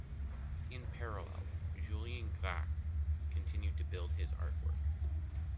In parallel, Julien Gracq continued to build his artwork.